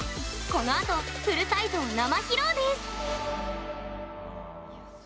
このあとフルサイズを生披露です。